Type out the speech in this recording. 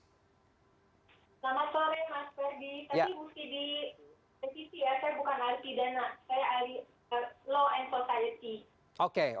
selamat sore mas ferdi tadi bu sih di revisi ya saya bukan alih pidana saya alih law and society